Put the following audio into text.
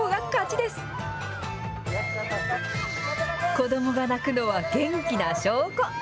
子どもが泣くのは元気な証拠。